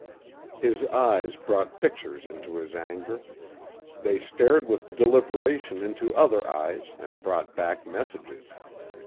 His eyes brought pictures into his anger. They stared with deliberation into other eyes and brought back messages.